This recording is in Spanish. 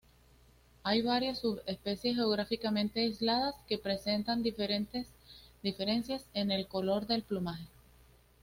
Hay varias subespecies geográficamente aisladas que presentan diferencias en el color del plumaje.